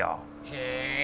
へえ。